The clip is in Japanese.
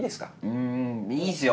うんいいっすよ